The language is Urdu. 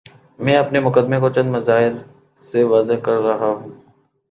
میں اپنے مقدمے کو چند مظاہر سے واضح کر رہا ہوں۔